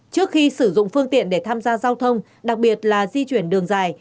trước khi sử dụng phương tiện để tham gia giao thông đặc biệt là di chuyển đường dài